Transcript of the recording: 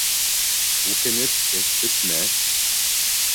Үкенеп, эш бөтмәҫ.